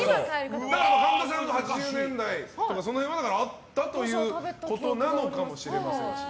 神田さんの８０年代くらいにはあったということなのかもしれませんし。